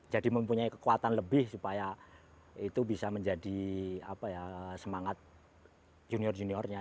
jadi mempunyai kekuatan lebih supaya itu bisa menjadi semangat junior juniornya